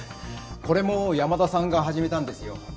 これも山田さんが始めたんですよ。